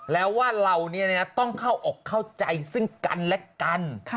แล้วว่าเราต้องเข้าอกเข้าใจซึ่งกันและกัน